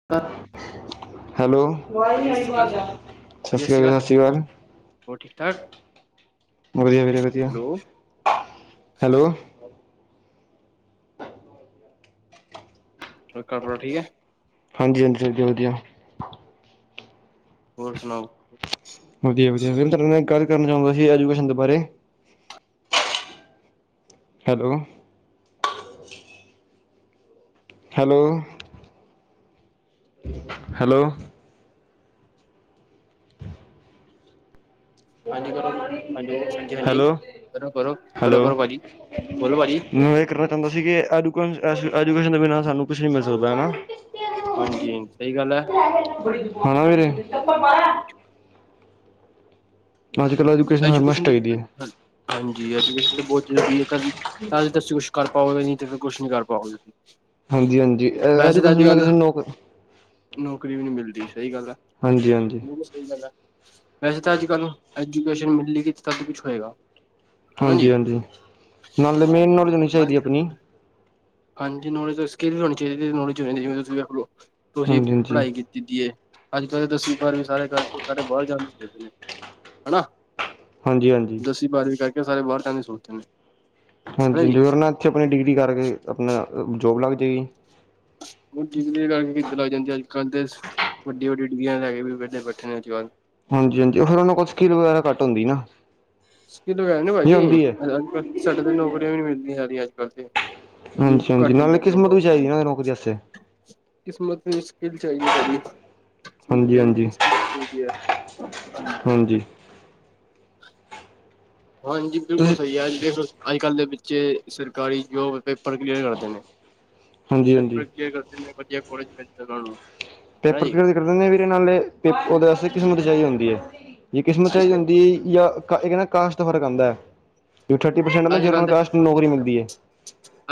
[inaudible] Hello ਸਤਿ ਸ਼੍ਰੀ ਅਕਾਲ- ਸਤਿ ਸ਼੍ਰੀ ਅਕਾਲ। ਹੋਰ ਠੀਕ ਠਾਕ, ਵਧੀਆ ਵੀਰੇ ਵਧੀਆ ਹੈਲੋ ਹੈਲੋ। ਕੀ ਕਰ ਰਹੇ ਹੋ ਠੀਕ ਏ। ਹਾਂਜੀ- ਹਾਂਜੀ ਸਭ ਵਧੀਆ। ਹੋਰ ਸੁਣਾਓ। ਵਧੀਆ ਵਧੀਆ ਵੀਰ, 'ਤੁਹਾਡੇ ਨਾਲ ਇਕ ਗੱਲ ਕਰਨ ਚਾਹੁੰਦਾ ਸੀ ਐਜੂਕੇਸ਼ਨ ਦੇ ਬਾਰੇ'। ਹੈਲੋ। ਹੈਲੋ। ਹੈਲੋ। ਹਾਂਜੀ ਕਰੋ, ਹੈਲੋ ਹਾਂਜੀ ਹਾਂਜੀ ਹੈਲੋ, ਕਰੋ ਕਰੋ, ਹੈਲੋ। ਕਰੋ ਕਰੋ ਭਾਜੀ, ਬੋਲੋ ਭਾਜੀ, ਨੀਏ ਕਰਨਾ ਚਾਹੁੰਦਾ ਸੀ ਕੇ ਐਡੂਕੋਨਸ-ਅਜੂਕੇਸ਼ਨ ਦੇ ਬਿਨਾਂ ਸਾਨੂੰ ਕੁਛ ਨਹੀਂ ਮਿਲ ਸਕਦਾ ਹਨਾ। ਹਾਂਜੀ ਸਹੀ ਗੱਲ ਹੈ, ਹਨਾਂ ਵੀਰੇ। ਅੱਜ ਕੱਲ੍ਹ ਹਰ ਐਜੂਕੇਸ਼ਨ ਮਸਟ ਚਾਹੀਦੀ ਹੈ ਹਾਂਜੀ, ਐਜੂਕੇਸ਼ਨ ਤਾਂ ਬਹੁਤ ਜ਼ਰੂਰੀ ਹੈ ਤੱਦ ਹੀ ਤਾਂ ਸੋਸ਼ਲ ਕਰ ਪਾਓਗੇ ਨੀ ਤੇ ਫਿਰ ਕੁਛ ਨੀ ਕਰ ਪਾਓਗੇ ਤੁਸੀ। ਹਾਂਜੀ ਹਾਂਜੀ ਐਜੂਕੇਸ਼ਨ ਨਾਲ ਕਿਸੇ ਨੂੰ ਨੌਕਰੀ ਨੌਕਰੀ ਵੀ ਨੀ ਮਿਲਦੀ ਸਹੀ ਗੱਲ ਐ। ਹਾਂਜੀ ਹਾਂਜੀ ਨੀ ਏ ਸਹੀ ਗੱਲ, ਵੈਸੇ ਤਾਂ ਅੱਜ ਕੱਲ ਐਜੂਕੇਸ਼ਨ ਮਿਲੇਗੀ ਤਦ ਈ ਕੁਛ ਹੋਏਗਾ। ਹਨਾ ਹਾਂਜੀ ਜੀ। ਹਾਂਜੀ, ਨਾਲੇ ਮੇਨ ਨੋਲਜ ਹੋਣੀ ਚਾਹੀਦੀ ਬੰਦ ਆਪਣੀ। ਹਾਂਜੀ ਨਾਲ ਸਕਿੱਲ ਹੋਣੀ ਚਾਹੀਦੀ ਏ ਨਾਲ ਜਿਵੇਂ ਤੁਸੀਂ [unintelligible] ਤੁਸੀਂ ਹਾਂਜੀ ਹਾਂਜੀ ਪੜ੍ਹਾਈ ਕੀਤ ਕੀਤੀ ਏ, ਅੱਜ ਕੱਲ੍ਹ ਤਾਂ ਦਸਵੀ -ਬਾਰਵੀਂ ਸਾਰੇ ਕਰ- ਕੁਰਕੇ ਬਾਹਰ ਜਾਣ ਦੀ ਸੋਚਦੇ ਏ। ਹਨਾਂ। ਹਾਂਜੀ ਹਾਂਜੀ। ਦਸਵੀਂ, ਬਾਰਵੀਂ ਕਰਕੇ ਸਾਰੇ ਬਾਹਰ ਜਾਣ ਦਾ ਸੋਚਦੇ ਐ। ਹਾਂਜੀ ਜੋ ਨਾਲ ਇੱਥੇ ਆਪਣੀ ਡਿਗਰੀ ਕਰਕੇ ਆਪਣਾ ਜੋਬ ਲੱਗ ਜਾਏਗੀ। ਹੁਣ ਡਿਗਰੀ ਕਰਕੇ [unintelligible] ਖਾਂਦੇ ਵੱਡੀ- ਵੱਡੀ ਡਿਗਰੀ ਲੈ ਕੇ ਵੀ ਬੈਠੇ ਨੇ ਅੱਜ ਕੱਲ੍ਹ। ਹਾਂਜੀ ਹਾਂਜੀ ਉਹ ਫਿਰ ਉਹਨਾਂ ਕੋਲ ਸਕਿੱਲ ਵਗੈਰਾ ਘੱਟ ਹੁੰਦੀ ਨਾ। ਸਕੀਲ ਵੈਲੂ ਨੀ ਹੈਗੀ ਏ ਹੁੰਦੀ ਹੈ ਅੱਜ ਕੱਲ ਸਾਡੇ ਤੇ ਨੌਕਰੀਆਂ ਵੀ ਨੀ ਮਿਲਦੀਆ ਸਾਰੀਆ ਅੱਜ ਕੱਲ ਤੇ। ਹਾਂਜੀ ਬਿਲਕੁਲ ਹਾਂਜੀ ਘੱਟ ਨਾਲੇ ਹੋਈਆਂ ਪਈਆਂ ਕਿਸਮਤ ਵੀ ਚਾਹੀਦੀ ਨੌਕਰੀਆਂ ਉਹਨਾਂ ਦੀ ਨੌਕਰੀ ਵਾਸਤੇ। ਕਿਸਮਤ ਨੂੰ ਸਕਿਲ਼ ਚਾਹੀਦੀ ਏ ਭਾਜੀ। ਸਕੀਲ ਹਾਂਜੀ ਬਚਾਰੀ ਹਾਂਜੀ ਕਿਸਮਤ ਹੋਣੀ ਚਾਹੀਦੀ ਐ। ਹਾਂਜੀ ਹਾਂਜੀ ਬਿਲਕੁਲ ਤੁਸੀਂ ਸਹੀ ਅੱਜ ਕੱਲ ਉਹ ਅੱਜ ਕੱਲ੍ਹ ਦੇ ਬੱਚੇ ਸਰਕਾਰੀ ਜੋਬ ਪੇਪਰ ਕਲੀਅਰ ਕਰਦੇ ਨੇ, ਹਾਂਜੀ ਪੇਪਰ ਹਾਂਜੀ ਕਲੀਅਰ ਕਰ ਏਨੇ ਵਧੀਆ ਕਾਲਜ ਮਿਲ ਜਾਂਦਾ ਉਹਨਾ ਨੂੰ। ਹੈ ਪੇਪਰ ਜੀ ਕਲੀਅਰ ਕਰ ਦਿੰਦੇ ਵੀ ਨਾਲ ਓਦੇ ਵਾਸਤੇ ਕਿਸਮਤ ਚਾਹੀਦੀ ਹੁੰਦੀ ਐ। ਜੇ ਕਿਸਮਤ ਅੱਜ ਚਾਹੀਦੀ ਹੁੰਦੀ ਯਾ ਕਾ ਇਹਦੇ ਨਾਲ ਕਾਸ਼ਟ ਦਾ ਫਰਕ ਹੁੰਦਾ। ਥਰਟੀ ਪਰਸੈਂਟ ਕੱਲ ਜਨਰਲ ਦੇ ਕਾਸਟ ਨੂੰ ਨੌਕਰੀ ਮਿਲਦੀ ਐ।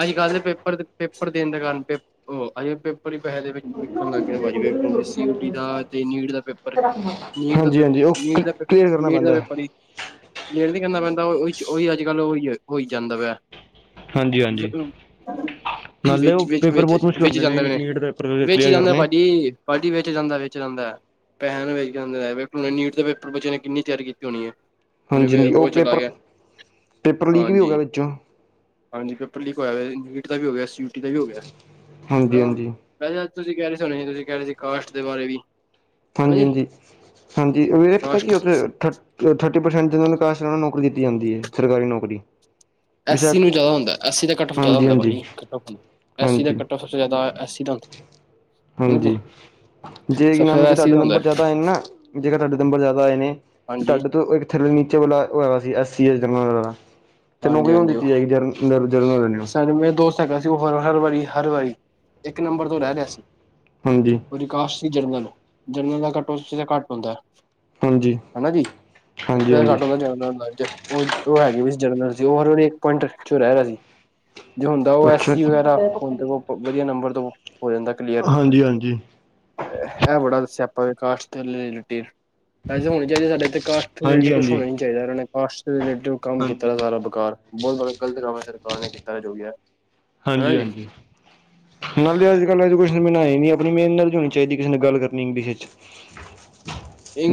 ਅੱਜ ਕੱਲ੍ਹ ਦੇ ਪੇਪਰ ਦੇ ਪੇਪਰ ਦੇਣ ਦੇ ਕਾਰਨ ਪ ਉਹ ਪੇਪਰ ਪੈਸੇ ਦੇ ਵਿੱਚ ਵਿਕਣ ਲੱਗ ਗਿਆ ਭਾਜੀ ਵੇਖੋ ਸੀਓਟੀ ਦਾ ਤੇ ਨੀਟ ਦਾ ਪੇਪਰ ਨੀਟ ਦਾ ਹਾਂਜੀ ਪੇ, ਹਾਂਜੀ ਉਹ ਨੀਟ ਦਾ ਪੇਪ, ਕਲੀਅਰ ਕਰਨਾ ਨੀਟ ਦਾ ਪੈਂਦਾ ਪੇਪਰ ਵੀ [inaudible] ਮੇਲ ਨੀ ਕਰਨਾ ਆਦਾ ਉਹੀ -ਉਹੀ ਅੱਜ ਕੱਲ੍ਹ ਉਹੀ ਹੋਈ ਜਾਂਦਾ ਪਿਆ। ਹਾਂਜੀ ਹਾਂਜੀ। ਨਾਲੇ ਵਿੱਚ ਉਹ ਵਿੱਚ ਪੇਪਰ ਵਿੱਚ ਬਹੁਤ ਮੁਸ਼ਕਿਲ ਵਿੱਚ ਹੁੰਦੇ ਨੇ ਜਾਂਦੇ ਨੀਟ ਪੇਪਰ ਵਿੱਚ ਕਲੀਅਰ ਜਾਂਦਾ ਕਰਨੇ। ਭਾਜੀ, ਭਾਜੀ ਵਿਚ ਜਾਂਦਾ ਵਿਚ ਜਾਂਦਾ। ਪੈਸਿਆ ਦਾ ਵਿਕ ਜਾਂਦਾ ਏ ਨੀਟ ਦੇ ਪੇਪਰ ਬੱਚੇ ਨੇ ਕਿੰਨੀ ਤਿਆਰੀ ਕੀਤੀ ਹੋਣੀ ਹੈ ਹੁਣ ਹਾਂਜੀ ਹਾਂਜੀ ਉਹ ਚਲਾ ਪੇਪਰ ਗਿਆ। ਪੇਪਰ ਲੀਕ ਵੀ ਹੋ ਹਾਂਜੀ, ਗਿਆ ਵਿੱਚੋਂ ਹਾਂਜੀ ਪੇਪਰ ਲੀਕ ਹੋਇਆ ਹੋ ਨੀਟ ਦਾ ਵੀ ਹੋ ਗਿਆ ਸੀ। ਟੀ ਦਾ ਵੀ ਹੋ ਗਿਆ ਸੀ। ਹਾਂਜੀ ਹਾ ਹਾਂਜੀ ਭਾਜੀ ਅੱਜ ਤੁਸੀਂ ਕਹਿ ਰਹੇ ਸੀ ਹਣੇ ਤੁਸੀਂ ਕਹਿ ਰਹੇ ਸੀ ਕਾਸਟ ਦੇ ਬਾਰੇ ਵੀ। ਹਨਾ ਹਾਂਜੀ ਜੀ। ਹਾਂਜੀ ਹਾਂਜੀ। ਓਵੇ ਪਤਾ ਕੀ ਕਾਸਟ ਉੱਥੇ ਥਰਟੀ ਪਰਸੈਂਟ ਜਨਲ ਕਾਸਟ ਉਹਨਾਂ ਨੂੰ ਨੌਕਰੀ ਦਿੱਤੀ ਜਾਂਦੀ ਹੈ ਸਰਕਾਰੀ ਨੌਕਰੀ। ਐਸ ਸੀ ਬਸ਼ੱਕ ਨੂੰ ਜ਼ਿਆਦਾ ਹੁੰਦਾ, ਐਸ ਸੀ ਦਾ ਕੱਟ ਆਫ ਜ਼ਿਆਦਾ ਹੁੰਦਾ ਹਾਂਜੀ-ਹਾਂਜੀ, ਭਾਜੀ ਕੱਟ ਆਫ ਹੁੰਦਾ। ਐਸ ਸੀ ਦਾ ਹਾਂਜੀ। ਕੱਟ ਆਫ ਸਭ ਤੋਂ ਜ਼ਿਆਦਾ ਐਸ ਸੀ ਦਾ ਹੁੰਦਾ ਹਨਾ ਜੀ, ਹਾਂਜੀ ਜੇ ਸਭ ਕੀ ਤੋਂ ਨਾਮ ਜ਼ਿਆਦਾ ਚ ਐਸ ਸੀ ਤੁਹਾਡੇ ਦਾ ਹੁੰਦਾ ਨੰਬਰ ਜਾਦਾ ਆਏ ਨਾ ਜੇਕਰ ਤੁਹਾਡੇ ਨੰਬਰ ਜਾਦਾ ਆਏ ਨੇ ਤੇ ਹਾਂਜੀ। ਤੁਹਾਡੇ ਤੋਂ ਨੀਚੇ ਵਾਲਾ ਓਹੈਗਾ ਸੀ ਐਸਸੀ ਯਾ ਜਰਨਲ ਵਾਲਾ ਤੇ ਨੌਕਰੀ ਉਹਨੂੰ ਹਾਂਜੀ-ਹਾਂਜੀ, ਦਿੱਤੀ ਜਾਏਗੀ ਜਰ ਜਰਨਲ ਵਾਲੇ ਨੂੰ। ਗਾ ਸੀ ਉਹ ਹਰ-ਹਰ ਵਾਰੀ ਹਰ ਵਾਰੀ ਇੱਕ ਨੰਬਰ ਤੋਂ ਰਹਿ ਰਿਹਾ ਸੀ ਹਾਂਜੀ ਉਹਦੀ ਕਾਸਟ ਸੀ ਜਰਨਲ। ਜਰਨਲ ਦਾ ਕੱਟ ਓਫ ਘੱਟ ਹੁੰਦਾ। ਹਾਂਜੀ ਹਨਾ ਜੀ ਹਾਂਜੀ ਸਦਾ ਹਾਂਜੀ ਘੱਟ ਹੁੰਦਾ ਜਾ ਉਹ, ਉਹ ਹੈਗੇ ਵੀ। ਜਰਨਲ ਸੀ ਉਹ ਹਰ ਵਾਰੀ ਇੱਕ ਪੁਆਇੰਟ ਚੋਂ ਪਿੱਛੋਂ ਰਹਿ ਰਿਹਾ ਸੀ। ਜੋ ਹੁੰਦਾ ਉਹ ਅੱਛਾ ਐਸਸੀ ਜੀ, ਵਗੈਰਾ ਹਣ ਵਧੀਆ ਨੰਬਰ ਤੋਂ ਹੋ ਜਾਂਦਾ ਕਲੀਅਰ। ਹਾਂਜੀ ਹਾਂਜੀ। ਇਹ ਬੜਾ ਸਿਆਪਾ ਵੇ ਕਾਸ਼ਟ ਦੇ ਰੀ ਰਿਲੇਟਿਵ। ਐ ਤੇ ਹੋਣੀ ਚਾਹੀਦੀ ਸਾਡੇ ਇ ਕਾਸਟ ਰਿਟਡ ਹਾਂਜੀ ਕੁਛ ਹਾਂਜੀ। ਹੋਣਾ ਨੀ ਚਾਹੀਦਾ ਇਨਾਂ ਨੇ ਕਾਸਟ ਦੇ ਰਿਲੇ ਕੰਮ ਕੀ ਹਾਂਜੀ। ਸਾਰਾ ਬੇਕਾਰ ਬਹੁਤ ਬਾ ਗਲਤ ਹੈ ਸਰਕਾਰ ਨੇ ਕੀਤਾ ਜੋ ਵੀ ਹੈ। ਹਨਾ ਜੀ ਹਾਂਜੀ-ਹਾਂਜੀ ਨਾਲ ਦੀ ਅੱਜ ਕੱਲ੍ਹ ਐਜੂਕੇ ਮਏ ਨੀ ਆਪਣੀ ਮਿਹਨਤ ਵੀ ਹੋਣੀ ਚਾਹੀਦੀ ਕਿਸੇ ਨੇ ਗੱਲ ਕਰਨੀ ਇੰਗਲਿਸ਼ ਵਿੱਚ।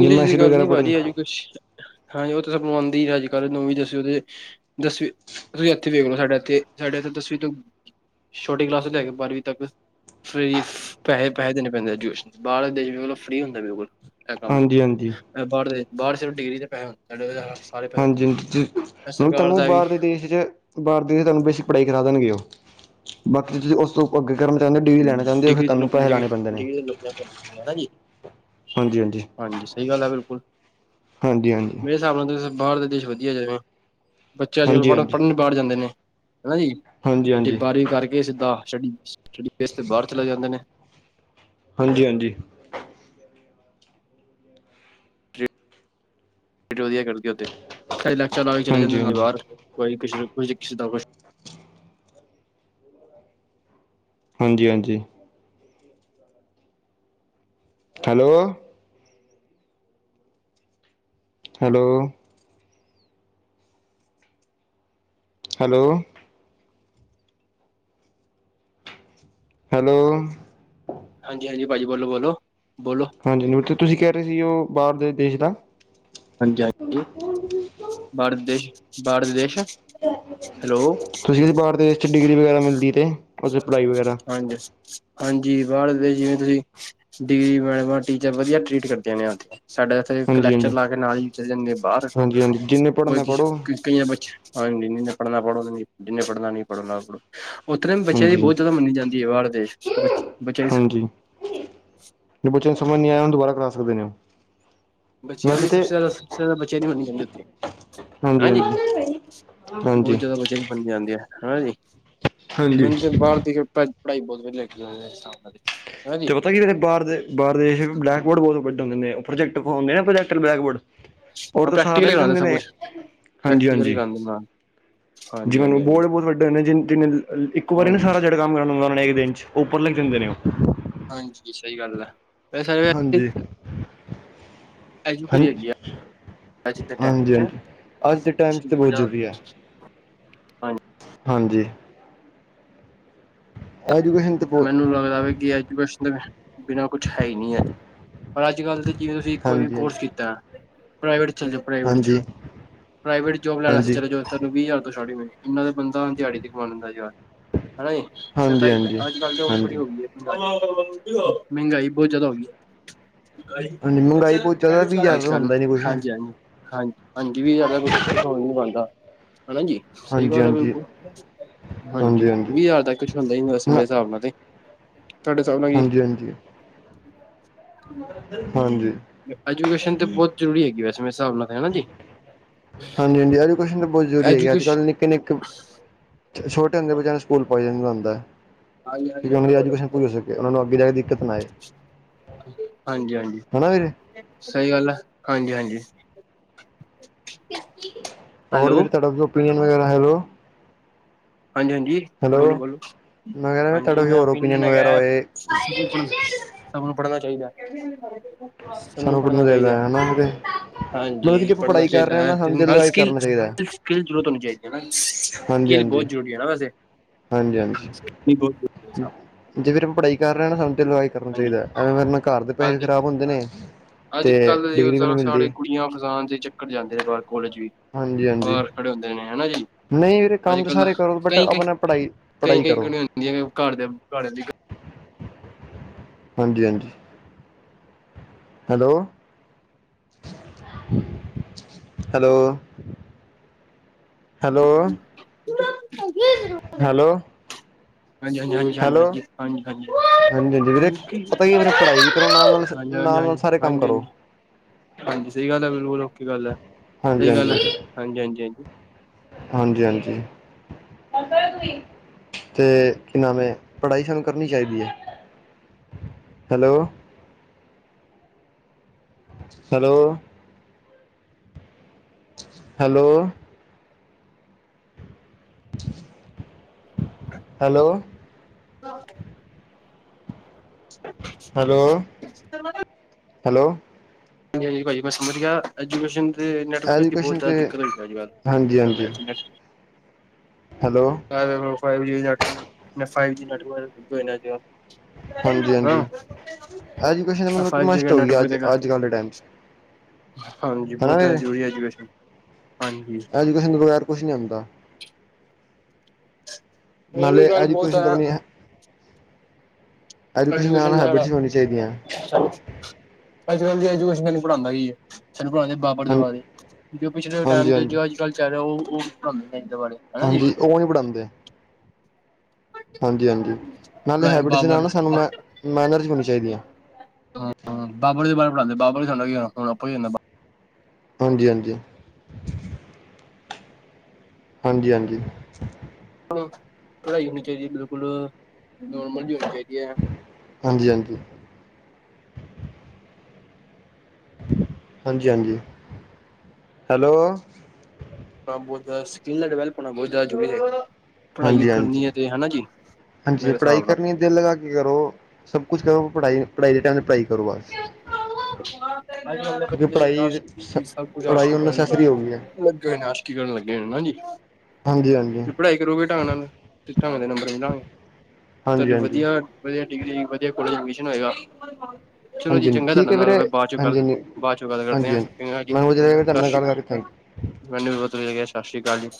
ਜਿੰਮ ਦੀ ਮਾਸੀਟ ਗੱਲ ਵਗੈਰਾ ਨੀ ਪੜਨ। ਭਾਜੀ ਅਜੇ ਕੁਛ ਹਾਂਜੀ ਉਹ ਤਾਂ ਸਭ ਨੂੰ ਆਉਂਦੀ ਹੈ ਅੱਜ ਕੱਲ੍ਹ ਨੌਵੀਂ ਦਸਵੀਂ ਵੀ ਦਸਵੀਂ ਤੁਸੀਂ ਇੱਥੇ ਵੇਖ ਲੋ ਸਾਡੇ ਇੱਥੇ ਸਾਡੇ ਇੱਥੇ ਦਸਵੀਂ ਤੋਂ ਛੋਟੀ ਕਲਾਸ ਲੈ ਕੇ ਬਾਰਵੀਂ ਤੱਕ। ਫੀਸ ਪੈਹੇ-ਪੈਹੇ ਦੇਣੇ ਪੈਂਦੇ ਐਜੂਕੇਸ਼ਨ ਬਾਹਰਲੇ ਦੇਸ਼ ਲੋ ਫ੍ਰੀ ਹੁੰਦਾ ਬਿਲਕੁਲ। ਇਹ ਕੰਮ ਹਾਂਜੀ ਹਾਂਜੀ ਬਾਰ ਦੇ ਬਾਰ ਸਿਰਫ ਡਿਗਰੀ ਤੇ ਪੈਸੇ ਹੁੰਦੇ [unintelligible] ਹਾਂਜੀ-ਹਾਂਜੀ ਹੁਣ ਸਰਕਾਰ ਤਹਨੂੰ ਦਾ ਵੀ ਬਾਹਰ ਦੇਸ਼ ਚ ਬਾਰ ਦੇ ਤੁਹਾਨੂੰ ਬੇਸਿਕ ਪੜ੍ਹਾਈ ਕਰਾ ਦੇਣਗੇ ਉਹ ਬਾਕੀ ਤੁਸੀਂ ਉਸ ਤੋਂ ਉਹ ਅੱਗੇ ਕਰਨਾ ਚਾਹੁੰਦੇ ਡਿਗਰੀ ਲੈਣਾ ਚਾਹੁੰਦੇ ਹੋ ਫੇਰ ਡਿਗਰੀ ਤੇ ਤੁਹਾਨੂੰ ਲੁਕਣ ਪੈਸੇ ਦੀ ਵੀ ਲਾਉਣੇ ਪੈਂਦੇ ਨੇ। ਡਿਗਰੀ ਤੇ ਲੁਕਣਾ ਪੈਂਦੀ ਹੈ ਜੀ ਹਾਂਜੀ-ਹਾਂਜੀ। ਹਾਂਜੀ ਸਹੀ ਗੱਲ ਹੈ ਬਿਲਕੁਲ। ਹਾਂਜੀ-ਹਾਂਜੀ। ਇਹ ਹਿਸਾਬ ਨਾਲ ਤੁਂ ਬਾਹਰ ਦੇ ਦੇਸ਼ ਵਧੀਆ ਜਾਵੇਂ ਬੱਚੇ ਅੱਜ ਕੱਲ੍ਹ ਹਾਂਜੀ ਪੜ੍ਹ ਹਾਂਜੀ। ਪੜ੍ਹਨ ਬਾਹਰ ਜਾਂਦੇ ਨੇ ਹੈ ਨਾ ਜੀ। ਹਾਂਜੀ ਹਾਂਜੀ ਡਿਬਾਰੀ ਕਰਕੇ ਸਿੱਦਾ ਚੜੀ ਹਾਂਜੀ-ਹਾਂਜੀ। ਵਧੀਆ ਕਰਦੀ ਆ ਉਥੇ, ਕ‌ਈ ਲੈਕਚਰ ਲਾ ਕੇ ਚਲੇ ਜਾਂਦੇ ਹਾਂਜੀ ਨਾਲ ਬਾਹਰ। ਹਾਂਜੀ ਕੋਈ ਕੁ ਕਿਸੇ ਦਾ ਕੁ ਹਾਂਜੀ, ਹਾਂਜੀ। Hello, hello. Hello, hello. ਹਾਂਜੀ, ਹਾਂਜੀ ਹਾਂਜੀ ਭਾਜੀ, ਬੋਲੋ-ਬੋਲੋ, ਬੋਲੋ ਹਾਂਜੀ, ਤੁਸੀਂ ਕੈ ਰੇ ਸੀ ਓ ਬਾਰ ਦੇ ਦੇਸ਼ ਦਾ [unintelligible] ਬਾਹਰ ਦੇ ਦੇਸ਼ ਬਾਹਰ ਦੇ ਦੇਸ਼। ਹੈਲੋ ਤੁਸੀਂ ਵੀ ਬਾਰ ਦੇ ਦੇਸ਼ 'ਚ ਡਿਗਰੀ ਵਗੈਰਾ ਮਿਲਦੀ ਏ ਤੇ, ਓਦਰ ਪੜ੍ਹਾਈ ਵਗੈਰਾ- ਹਾਂਜੀ ਹਾਂਜੀ, ਬਾਰ ਦੇ ਦੇਸ਼ ਜਿਵੇਂ ਤੁਸੀਂ ਡਿਗਰੀ ਮੈਡਮਾ ਟੀਚਰ ਵਧੀਆ ਟਰੀਟ ਕਰਦੇ ਨੇ ਓਥੇ। ਸਾਡੇ ਓਥੇ ਇਕ ਹਾਂਜੀ ਲੈਕਚਰ ਹਾਂਜੀ ਲਾ ਕੇ ਨਾਲ ਈ ਚਲੇ ਜਾਣਗੇ ਬਾਰ ਹਾਂਜੀ ਹਾਂਜੀ ਜਿੰਨੇ ਪੜ੍ਹਨਾ ਬਲਕੀ ਪੜ੍ਹੋ ਕਈ ਅ ਬਚ, ਹਾਂਜੀ ਜਿਨੇ ਪੜ੍ਹਨਾ ਪੜ੍ਹੋ, ਜਿਨੇ ਪੜ੍ਹਨਾ, ਨਈ ਪੜ੍ਹੋ, ਨਾ ਪੜੋ। ਓੱਥੇ ਦੇ ਵੀ ਬੱਚਿਆਂ ਦੀ ਹਾਂਜੀ ਬੋਤ ਜ਼ਿਆਦਾ ਮੰਨੀ ਜਾਂਦੀ ਐ, ਬਾਰ ਦੇਸ਼ ਚ ਬੱਚ ਬੱਚੇ ਇਸ ਹਾਂਜੀ ਜੇ ਬੱਚਿਆਂ ਨੂੰ ਸਮਝ ਨੀ ਆਇਆ, ਓਨੂੰ ਦੁਬਾਰਾ ਕਰਾ ਸਕਦੇ ਨੇ। ਬੱਚਿਆਂ ਵੈਸੇ ਦੀ ਤੇ ਸਬ ਸੇ ਜ਼ਾਦਾ, ਸਭ ਸੇ ਜ਼ਾਦਾ ਬੱਚਿਆਂ ਦੀ ਮੰਨੀ ਜਾਂਦੀ ਉਥੇ ਹਾਂਜੀ, ਬਹੁ ਹਾਂਜੀ ਜਾਦਾ ਬੱਚੇ ਨੇ। ਮੰਨ ਜਾਂਦੀ ਹੈ ਹਨਾ ਜੀ ਹਾਂਜੀ ਮੰਦੇ ਬਾਹਰ ਦੀ ਕਿ ਪੜ੍ਹਾਈ ਬਹੁਤ ਵਧੀਆ ਹੈਗੀ ਹ [unintelligible] ਤੇ ਪਤਾ ਕੀ ਬਾਰ ਦੇ, ਬਾਰ ਦੇ ਦੇਸ਼ ਵਿੱਚ ਬਲਕਬੋਰਡ ਬਹੁਤ ਵੱਡ ਹੁੰਦੇ ਉਹ ਪ੍ਰੋਜੈਕਟਰ ਹੁੰਦੇ ਨਾ ਪ੍ਰੋਜਕਟਰ ਬੈਕਬੋਰਡ। ਹੋਰ ਹਾਂ ਤਾਂ ਸਾਰੇ ਪ੍ਰੈਕਟੀਕਲ ਹੀ ਕਰਾਉਂਦੇ ਰਹਿੰਦੇ ਸਭ ਨੇ ਕੁਛ ਪ੍ਰੈਕਟੀਕਲ ਹੀ ਹਾਂਜੀ-ਹਾਂਜੀ। ਕਰਾਉਂਦੇ ਨਾਲ ਹਾਂਜੀ ਜਿਹਨ ਹਾਂਜੀ [unintelligible] ਹਾਂਜੀ ਬਹੁਤ ਵੱਡੇ ਨੇ ਜਿ ਜਿਨੇ ਇੱਕ ਵਾਰੀ ਨਾ ਹਾਂਜੀ। ਸਾਰਾ ਜਿਹੜਾ ਕੰਮ ਕਰਨ ਲ ਹੁੰਦਾ ਉਹ ਨੇ ਦਿਨ ਚ ਉੱਪਰ ਲਿਖ ਦਿੰਦੇ ਨੇ ਉਹ। ਹਾਂਜੀ ਸਹੀ ਗੱਲ ਹੈ। ਵੈਸੇ ਹਾਂਜੀ। ਹ ਐਜੂਕੇਟ ਹੈਗੀ ਆ ਅੱਜ ਦੇ ਟਾਈਮ ਹਾਂਜੀ-ਹਾਂਜੀ ਚ ਅੱਜ ਦੇ ਟਾਈਮ ਤੇ ਬਹੁਤ ਜ਼ਰੂਰੀ ਹੈ। ਹਾਂਜੀ ਹਾਂਜੀ। ਐਜੂਕੇਸ਼ਨ ਤਾਂ ਬਹੁਤ ਮੈਨੂੰ ਲੱਗਦਾ ਵ ਕਿ ਆ ਬਿਨਾਂ ਕੁਛ ਹੈ ਹੀ ਨਈ ਅੱਜ ਪਰ ਅੱਜ ਕੱਲ੍ਹ ਤੇ ਜਿਵੇਂ ਤੁਸੀਂ ਕੋਈ ਵੀ ਹਾਂਜੀ ਕੋਰਸ ਕੀ ਤਾ। ਪਰਾਵੇਟ ਵਿੱਚ ਚਲੇ ਜਾਓ ਪ੍ਰਾਈਵੇਟ ਵਿੱਚ, ਹਾਂਜੀ ਹਾਂਜੀ ਪ੍ਰਾਈਵੇਟ ਜੋਬ ਲੈਣਾ ਚ ਹਾਂਜੀ ਤੁਹਾਨੂੰ ਵੀਹ ਹਜ਼ਾਰ ਤੋਂ ਸਟਾਰਟਿੰਗ ਹੋਏਗੀ। ਇਹਨਾ ਦਾ ਬੰਦਾ ਦਿਹਾੜੀ ਤੇ ਕਮਾ ਲੈਂਦਾ ਯਾਰ ਹਨਾ ਜੀ ਹਾਂਜੀ ਸਤਾ ਅੱਜ ਕੱਲ ਤੇ ਹੁਣ ਹਾਂਜੀ ਬੜੀ ਹੋ ਗਈ ਹੈ। ਮਹਿੰਗਾਈ ਬੋਤ ਜਾਦਾ ਹੋ ਗਈ ਏ। ਹਾਂਜੀ ਅੱਜ ਮਹਿੰਗਾਈ ਬਹੁਤ ਜ਼ਿਆਦਾ ਵੀਹ ਹਜ਼ਾਰ ਦਾ ਕੱਲ ਹੁੰਦਾ ਨਹੀਂ ਕੁਛ ਹਾਂਜੀ-ਹਾਂਜੀ ਹਾਂਜੀ-ਹਾਂਜੀ ਵੀ ਜਾਦਾ ਕੁ ਕੁਛ ਹੋ ਨੀ ਬਣਦਾ ਹਨਾ ਜੀ। ਸਈ ਹਾਂਜੀ ਗੱਲ ਹੈ ਹਾਂਜੀ ਬਿਲਕੁਲ ਹਾਂਜੀ ਵੀਹ ਹਜ਼ਾਰ ਤੱਕ ਕੁਛ ਹੁੰਦਾ ਹੀ ਵੈਸੇ ਮੇਰੇ ਸਾਬ ਨਾ ਤੇ ਤੁਹਾਡੇ ਹਿਸਾਬ ਨਾਲ ਕੀ ਹਾਂਜੀ-ਹਾਂਜੀ ਹਾਂਜੀ ਹਾਂਜੀ ਐਜੂਕੇਸ਼ਨ ਤੇ ਬੋਤ ਜ਼ਰੂਰੀ ਹੈਗੀ ਵੈਸੇ ਮੇਰੇ ਹਿਸਾਬ ਨਾਲ ਤੇ ਹਨਾ ਜੀ। ਹਾਂਜੀ-ਹਾਂਜੀ ਐਜੂਕੇਸ਼ਨ ਤਾਂ ਬੋਤ ਜ਼ਰੂਰੀ ਹੈਗੀ ਅੱਜ ਐਜੂਕੇਸ਼ਨ ਕੱਲ੍ਹ ਨਿੱਕੇ-ਨਿੱਕੇ ਛੋਟੇ ਹੁੰਦੇ ਬੱਚਿਆਂ ਨੂੰ ਸਕੂਲ ਪਾਈ ਜਾਂਦਾ ਹੁੰਦਾ ਹਾਂਜੀ ਹਾਂਜੀ ਕਿਉਕਿ ਉਹਨਾਂ ਦੀ ਬੋਲੋ ਬੋਲੋ ਐਜੂਕੇਸ਼ਨ ਬੋਲੋ ਪੂਰੀ ਹੋ ਸਕੇ। ਉਹਨਾਂ ਨੂੰ ਅੱਗੇ ਜਾ ਕੇ ਦਿੱਕਤ ਨਾ ਆਏ। ਹਾਂਜੀ-ਹਾਂਜੀ ਹਨਾ ਵੀਰੇ ਸਈ ਗੱਲ ਐ ਹਾਂਜੀ-ਹਾਂਜੀ ਹੋਰ ਵੀ ਤੁਹਾਡਾ ਓਪੀਨੀਅਨ ਵਗੈਰਾ ਹੈਲੋ ਹਾਂਜੀ-ਹਾਂਜੀ ਹੈਲੋ ਬੋਲੋ-ਬੋਲੋ ਮੈਂ ਕਹਿ ਰਿਹਾ ਤੁਹਾਡਾ ਹਾਂਜੀ ਕੋਈ ਮੈਂ ਹੋਰ ਓਪੀਨੀਅਨ ਵਗੈਰਾ ਹੈਗਾ। ਹੋਏ ਸਭ ਨੂੰ ਪੜ੍ਹਨਾ ਚਾਹੀਦਾ। ਸਭ ਨੂੰ ਸਾਨੂੰ ਪੜਨਾ ਪੜ੍ਹਨਾ ਚਾਹੀਦਾ। ਹੈ ਹਨਾ ਤੇ ਮਤਲਬ ਕਿ ਹਾਂਜੀ ਜੇ ਆਪਾਂ ਪੜ੍ਹਨਾ ਪੜ੍ਹਾਈ ਕਰ ਚਾਹੀਦਾ ਰਹੇ ਹਾਂ ਨਾ ਸਾਨੂੰ ਦਿਲ ਨਾਲ ਲਗਾਈ ਸਕਿਲ- ਕਰਨਾ ਚਾਹੀਦਾ ਹੈ ਸਕਿਲ ਜ਼ਰੂਰਤ ਹੋਣੀ ਚਾਹੀਦੀ ਹਾਂਜੀ ਸਕਿਲ ਬੋਤ ਹਾਂਜੀ ਜ਼ਰੂ ਰੀ ਨਾ ਵੈਸੇ ਹਾਂਜੀ ਹਾਂਜੀ ਜੇ ਵੀਰੇ ਆਪ ਪੜ੍ਹਾਈ ਕਰ ਰਿਆ ਨਾ ਸਾਨੂੰ ਤੇ ਲਵਾਈ ਕਰਨਾ ਹਾਂਜੀ ਚਾਹੀਦਾ ਐਵੇਂ ਵਰਨਾ ਘਰ ਦੇ ਪੈਸੇ ਵੀ ਹਾਂਜੀ ਖਰਾਬ ਹੁੰਦੇ ਨੇ। ਅੱਜ ਤੇ ਕੱਲ੍ਹ ਯੂਥ ਡਿਗਰੀ ਵੀ ਨਹੀਂ ਸਾਰੇ ਮਿਲਦੀ ਕੁੜੀਆਂ ਫਸਾਨ ਦੇ ਚੱਕਰ ਜਾਂਦੇ ਰ ਬਾਰ ਕੋਲੇਜ ਵੀ ਹਾਂਜੀ ਹਾਂਜੀ ਬਾਰ ਖੜੇ ਹੁੰਦੇ ਨੇ ਹਨਾ ਜੀ। ਨਹੀਂ ਵੀਰੇ ਅੱਜ ਕੰਮ ਤਾਂ ਕੱਲ ਸਾਰੇ ਕਰੋ ਬਟ ਆਪਣਾ ਪੜ੍ਹਾਈ ਪੜ੍ਹਾਈ ਕਈਂ-ਕਈਂ-ਕਈਂ-ਕਈਂ ਖੜੀਆਂ ਹੁੰਦੀਆਂ ਹੈ ਘਰ ਦੇ [unintelligible] ਹਾਂਜੀ-ਹਾਂਜੀ ਹੈਲੋ-ਹੈਲੋ ਹੈਲੋ ਹੈਲੋ ਹਾਂਜੀ ਹਾਂਜੀ ਹਾਂਜੀ ਹਾਂਜੀ ਹੈਲੋ ਹਾਂਜੀ ਹਾਂਜੀ ਹਾਂਜੀ ਹਾਂਜੀ-ਹਾਂਜੀ ਵੀਰੇ ਪਤਾ ਕੀ ਪੜ੍ਹਾਈ ਵੀ ਕਰੋ ਹਾਂਜੀ ਹਾਂਜੀ ਹਾਂਜੀ ਨਾਲ-ਨਾਲ-ਨਾਲ-ਨਾਲ ਹਾਂਜੀ ਸਾਰੇ ਕੰਮ ਕਰੋ। ਹਾਂਜੀ ਹਾਂਜੀ ਸਈ ਗੱਲ ਐ ਬਿਲਕੁਲ ਔਖੀ ਗੱਲ ਐ। ਹਾਂਜੀ-ਹਾਂਜੀ-ਹਾਂਜੀ-ਹਾਂਜੀ ਤੇ ਕੀ ਨਾਮ ਏ ਪੜ੍ਹਾਈ ਸਾਨੂੰ ਕਰਨੀ ਚਾਹੀਦੀ ਏ। ਹੈਲੋ-ਹੈਲੋ ਹੈਲੋ ਹੈਲੋ [inaudible] ਹੈਲੋ-ਹੈਲੋ ਹਾਂਜੀ-ਹਾਂਜੀ ਭਾਜੀ ਮੈਂ ਸਮਝ ਗਿਆ ਐਜੂਕੇਸ਼ਨ ਤੇ ਨੈਟਵਰਕ ਦੀ ਬੋਤ ਐਜੂਕੇਸ਼ਨ ਜਾਦਾ ਤੇ ਦਿੱਕਤ ਹੋਈ ਏ ਅੱਜ ਹਾਂਜੀ ਕੱਲ ਹਾਂਜੀ net net hello five G network [unintelligible] ਹਾਂ ਹਾਂਜੀ ਹਾਂਜੀ ਐਜੂਕੇਸ਼ਨ ਆ ਮਤਲਬ ਕਿ ਫਾਈਵ ਜੀ ਦਾ ਮਸਟ ਹੋ ਗਈ ਅੱਜ ਨੈਟਵਰਕ ਹੈਗਾ। ਅੱਜ ਕੱਲ੍ਹ ਦੇ ਟਾਈਮ 'ਚ ਹਾਂਜੀ ਹਨਾ ਬੋਤ ਜਾਦਾ ਵੀਰੇ ਜ਼ਰੂਰੀ ਐਜੂਕੇਸ਼ਨ ਹਾਂਜੀ। ਟਵੀਸ਼ਨ ਦੇ ਵਗੈਰਾ ਕੁਛ ਨਈ ਹੁੰਦਾ। ਹੋਰ ਵੀ ਨਾਲੇ ਗੱਲ ਬਹੁਤ ਐਜੂਕੇਸ਼ਨ ਤੇ ਵੀ ਨਈ ਹੈ। ਨਾਲ ਐਜੂਕੇਸ਼ਨ ਹੈਬਿਟਸ ਵੀ ਹੋਣੀ ਚਾਹੀਦੀਆਂ [unintelligible] ਅੱਜ ਕੱਲ ਦੀ ਐਜੂਕੇਸ਼ਨ [unintelligible] ਵਿਚ ਪੜ੍ਹਾਂਦਾ ਈ ਏ ਸਾਨੂੰ ਪੜ੍ਹਾਂਦੇ ਬਾਬਰ ਦੇ ਹਨ ਬਾਰੇ ਜੋ ਪਿਛਲੇ ਹਾਂਜੀ ਟਾਈਮ ਚ ਹਾਂਜੀ ਜੋ ਅੱਜ ਕੱਲ ਚਲੋ ਓ ਉਹ ਨੀ ਪੜਾਂਦੇ [unintelligible] ਹਾਂਜੀ ਓ ਨੀ ਪੜਾਂਦੇ। ਹਾਂਜੀ, ਹਾਂਜੀ ਨਾਲੇ ਪੜ੍ਹਾਏ ਹੈਬਿਟਸ ਦੇ ਨਾਲ ਬਾਬਰ ਨਾ ਸਾਨੂੰ ਮੈਂ ਮੈਨਰਜ ਵੀ ਹੋਣੀ ਚਾਈਦੀ ਐ। ਹਾਂ ਬਾਬਰ ਦੇ ਬਾਰੇ ਪੜ੍ਹਾਂਦੇ ਬਾਬਰ [unintelligible] ਸਾਡੇ ਨੌਕਰੀ ਦਿੰਦਾ ਹਾਂਜੀ, ਹਾਂਜੀ ਹਾਂਜੀ, ਹਾਂਜੀ ਪੜਾਈ ਹੋਣੀ ਚਾਈਦੀ ਏ ਬਿਲਕੁਲ ਨੋਰਮਲ ਜੀ ਹੋਣੀ ਚਾਈਦੀ ਐ। ਹਾਂਜੀ, ਹਾਂਜੀ ਹਾਂਜੀ, ਹਾਂਜੀ ਹੈਲੋ? ਬੌਤ ਜ਼ਿਆਦਾ ਸਕਿਲ ਦਾ ਡਵੈਲਪ ਹੋਣਾ ਬੌਤ ਜ਼ਿਆਦਾ ਜ਼ਰੂਰੀ ਏ। ਪੜ੍ਹਾਈ ਹਾਂਜੀ ਹਾਂਜੀ ਕਰਨੀ ਐ ਤੇ ਹੈਨਾ ਜੀ ਹਾਂਜੀ ਮੇਰੇ ਪੜ੍ਹਾਈ ਸਾਬ ਨਾ। ਕਰਨੀ ਦਿਲ ਲਗਾ ਕੇ ਕਰੋ ਸਭ ਕੁਛ ਕਰੋ ਪੜ੍ਹਾਈ ਪੜ੍ਹਾਈ ਦੇ ਟੈਮ ਤੇ ਪੜ੍ਹਾਈ ਕਰੋ ਬਸ। ਅੱਜ ਕੱਲ ਦੇ ਕਿਉਂਕਿ ਬੱਚੇ ਪੜ੍ਹਾਈ ਆਸ਼ਕੀ ਸਭ ਕੁਜ ਪੜ੍ਹਾਈ ਆਸ਼ਕੀ ਹੁਣ ਕਰਨ ਦੇ ਨਸੈਸਰੀ ਹੋ ਗਈ ਹੈ ਵਿ ਲੱਗੇ ਨੇ ਆਸ਼ਕੀ ਕਰਨ ਲੱਗੇ ਨੇ ਹਾਂਜੀ। ਹਾਂਜੀ, ਹਾਂਜ ਪੜ੍ਹਾਈ ਕਰੋਗੇ ਢੰਗ ਨਾਲ ਤੇ ਢੰਗ ਦੇ ਨੰਬਰ ਮਿਲਾਂਗੇ। ਹਾਂਜੀ ਹਾਂਜੀ ਤਾਡੀ ਹਾਂਜੀ ਵਧੀਆ ਵਧੀਆ ਡਿਗਰੀ ਵਧੀਆ ਕੋਲਜ ਚ ਏਡਮਿਸ਼ਨ ਹੋਏਗਾ। ਚਲੋ ਜੀ ਹਾਂਜੀ ਚੰਗਾ ਠੀਕ ਤਾਡੇ ਹੈ ਨਾਲ ਵੀਰੇ ਮੈਂ ਬਾਅਦ ਚੋਂ ਗੱਲ ਹਾਂਜੀ ਹਾਂਜੀ ਬਾਅਦ ਚੋਂ ਗੱਲ ਕਰਦੇ ਹਾਂਜੀ ਆ ਹਾਂਜੀ ਚੰਗਾ ਜੀ ਮੈਨੂੰ ਵਧੀਆ ਲੱਗਿਆ ਤੁਹਾਡੇ ਨਾਲ ਗੱਲ ਸਾਸ਼੍ਰੀਕਾਲ। ਕਰਕੇ ਥੈਂਕ ਯੂ। ਮੈਨੂੰ ਵੀ ਬੌਤ ਵਧੀਆ ਲੱਗਿਆ ਸਾਸ਼੍ਰੀਕਾਲ ਜੀ।